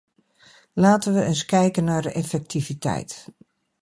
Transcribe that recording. Laten we eens kijken naar de effectiviteit.